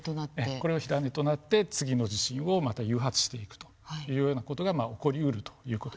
これが火種となって次の地震をまた誘発していくというような事が起こりうるという事です。